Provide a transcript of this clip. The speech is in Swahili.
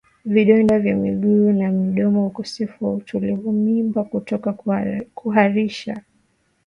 vidonda vya miguu na midomo ukosefu wa utulivu mimba kutoka kuharisha